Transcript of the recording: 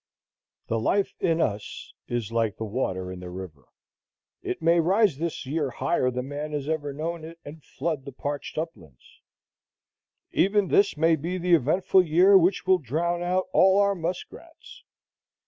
The life in us is like the water in the river. It may rise this year higher than man has ever known it, and flood the parched uplands; even this may be the eventful year, which will drown out all our muskrats.